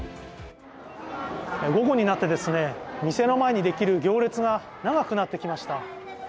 午後になって店の前にできる行列が長くなってきました。